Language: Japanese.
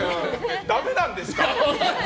だめなんですか？